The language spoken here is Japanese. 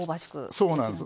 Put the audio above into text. そうなんです。